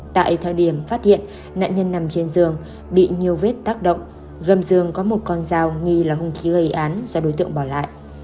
tại thời điểm phát hiện nạn nhân nằm trên giường bị nhiều vết tác động gầm giường có một con dao nghi là hung khí gây án do đối tượng bỏ lại